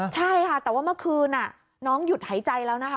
ใช่ค่ะแต่ว่าเมื่อคืนน้องหยุดหายใจแล้วนะคะ